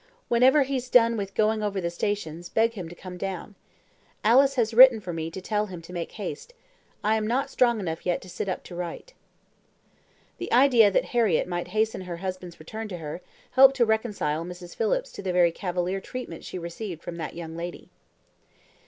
Whenever he's done with going over the stations, beg him to come down. Alice has written for me to tell him to make haste. I am not strong enough yet to sit up to write." The idea that Harriett might hasten her husband's return to her, helped to reconcile Mrs. Phillips to the very cavalier treatment she received from that young lady.